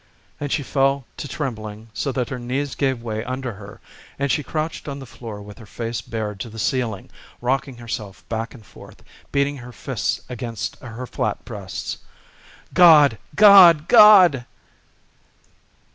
And she fell to trembling so that her knees gave way under her and she crouched on the floor with her face bared to the ceiling, rocking herself back and forth, beating her fists against her flat breasts. "God! God! God!"